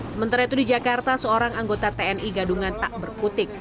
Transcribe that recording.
sementara itu di jakarta seorang anggota tni gadungan tak berkutik